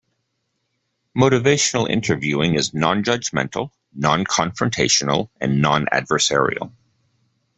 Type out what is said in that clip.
Motivational interviewing is non-judgmental, non-confrontational and non-adversarial.